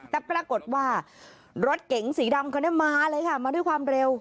แต่ปรากฏว่ารถเก๋งสีดำคนนี้มาเลยค่ะมาด้วยความเร็ว